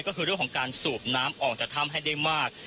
ก็คือเรื่องของการสูบน้ำออกจากถ้ำให้ได้มาก